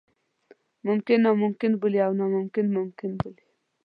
ممکن ناممکن بولي او ناممکن ممکن بولي.